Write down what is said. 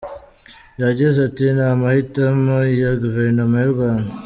Yagize ati “ Ni amahitamo ya Guverinoma y’u Rwanda.